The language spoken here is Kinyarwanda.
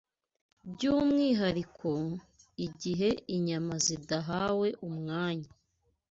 By’umwihariko, igihe inyama zidahawe umwanya